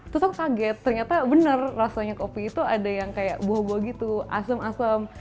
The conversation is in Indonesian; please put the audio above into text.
terus aku kaget ternyata benar rasanya kopi itu ada yang kayak buah buah gitu asem asem